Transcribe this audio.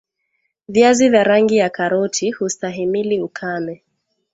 viazi vya rangi ya karoti hustahimili ukame